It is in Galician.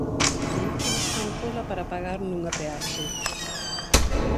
Vehículos fan cola para pagar nunha peaxe.